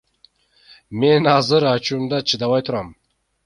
Мен азыр ачуума чыдабай турам.